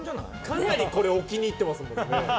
かなりこれ置きに行っていますね。